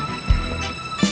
kenapa tidak bisa